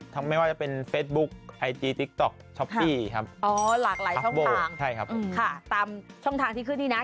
อ๋อหลากหลายช่องทางใช่ครับอืมค่ะตามช่องทางที่ขึ้นที่น่ะ